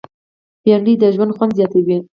بېنډۍ د ژوند خوند زیاتوي